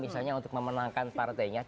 misalnya untuk memenangkan partainya